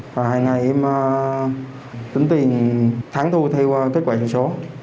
hàng ngày em tính tiền thắng thu theo kết quả truyền số